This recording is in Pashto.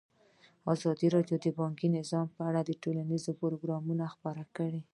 ازادي راډیو د بانکي نظام په اړه ښوونیز پروګرامونه خپاره کړي.